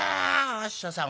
お師匠さん！